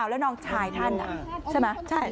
แล้วน้องชายท่านใช่ไหม